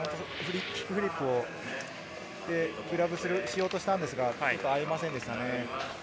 キックフリップでグラブしようとしたのですが、合いませんでした。